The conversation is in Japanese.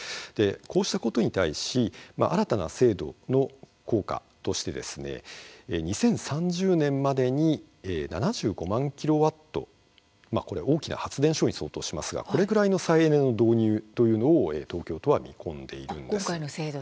こうしたことに対し新たな制度の効果として２０３０年までに７５万キロワットこれ大きな発電所に相当しますがこれぐらいの再エネの導入というのを今回の制度で。